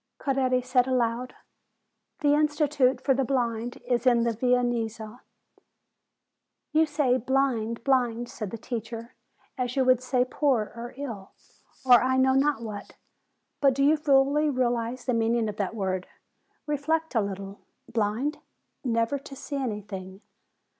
Coretti said aloud, "The Institute for the Blind is in the Via Nizza." "You say blind blind," said the teacher, "as you would say poor or ill, or I know not what. But do you fully realize the meaning of that word? Reflect a little. Blind! Never to see anything!